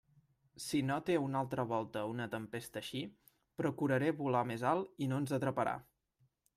Si note una altra volta una tempesta així, procuraré volar més alt i no ens atraparà.